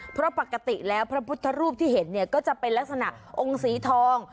เพราะปกติแล้วพระพุทธรูปที่เห็นเนี่ยก็จะเป็นลักษณะองค์สีทอง